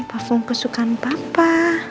ini parfum kesukaan papa